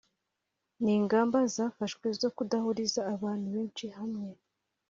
N’ingamba zafashwe zo kudahuriza abantu benshi hamwe